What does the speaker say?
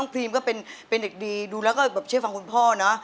พรีมก็เป็นเด็กดีดูแล้วก็แบบเชื่อฟังคุณพ่อเนอะ